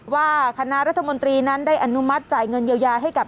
ว่าคณะรัฐมนตรีนั้นได้อนุมัติจ่ายเงินเยียวยาให้กับ